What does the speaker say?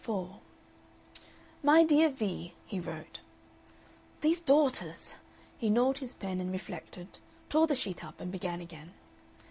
Part 4 MY DEAR VEE, he wrote. These daughters! He gnawed his pen and reflected, tore the sheet up, and began again.